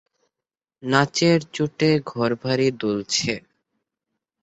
নাচের চোটে ঘরবাড়ি দুলছে।